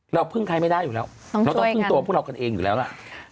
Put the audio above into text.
พึ่งใครไม่ได้อยู่แล้วเราต้องพึ่งตัวพวกเรากันเองอยู่แล้วล่ะ